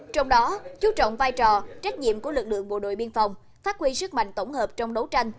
trong đó chú trọng vai trò trách nhiệm của lực lượng bộ đội biên phòng phát huy sức mạnh tổng hợp trong đấu tranh